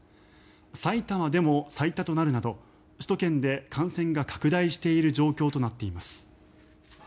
埼玉でも最多となるなど首都圏で感染が拡大している状況となっています。